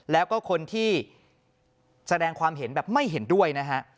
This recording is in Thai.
แล้วก็คนที่แสดงความเห็นแบบไม่เห็นด้วยนะฮะ